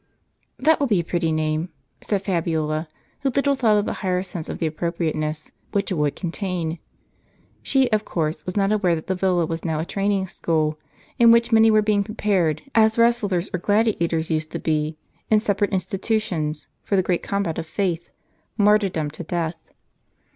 "That will be a pretty name," said Fabiola, who little thought of the higher sense of appropriateness which it would contain. She, of course, was not aware that the villa was now *" At " or " to the palms." TO a training school, in which many were being prepared, as wrestlers or gladiators used to be, in separate institutions, for the great combat of faith, martyrdom to death.